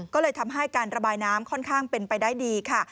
ก็เลยทำให้การระบายน้ำค่อนข้างเป็นไปได้ดีค่ะ